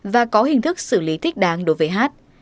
và có hình thức xử lý thích đáng đối với hát